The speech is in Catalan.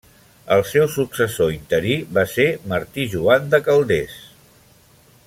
El seu successor interí va ser Martí Joan de Calders.